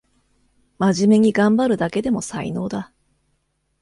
まじめにがんばるだけでも才能だ